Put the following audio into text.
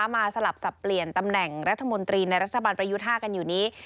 สลับสับเปลี่ยนตำแหน่งรัฐมนตรีในรัฐบาลประยุทธ์๕กันอยู่นี้